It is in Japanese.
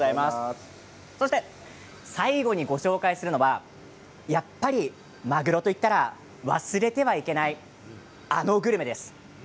そして最後にご紹介するのがやっぱりまぐろと言ったら忘れてはいけないあのグルメです。